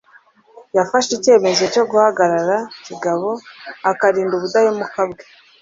yafashe icyemezo cyo guhagarara kigabo akarinda ubudahemuka bwe